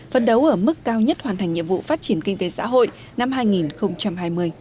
phân đấu ở mức cao nhất hoàn thành nhiệm vụ phát triển kinh tế xã hội năm hai nghìn hai mươi